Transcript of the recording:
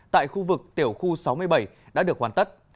tại khu vực tiểu khu sáu mươi bảy đã được hoàn tất